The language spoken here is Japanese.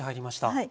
はい。